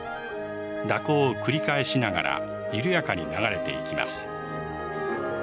蛇行を繰り返しながら緩やかに流れていきます。